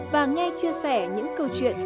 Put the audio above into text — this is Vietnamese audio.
và nghe chia sẻ những câu chuyện